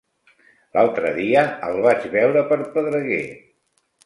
L'altre dia el vaig veure per Pedreguer.